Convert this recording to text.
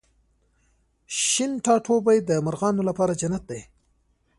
شین ټاټوبی د مرغانو لپاره جنت دی